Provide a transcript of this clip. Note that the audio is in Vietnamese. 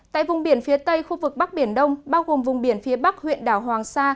tại vùng biển phía tây khu vực bắc biển đông bao gồm vùng biển phía bắc huyện đảo hoàng sa